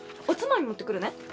おつまみ持ってくるね。